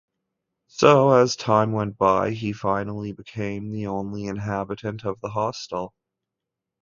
So, as time went by, he finally became the only inhabitant of the hostel.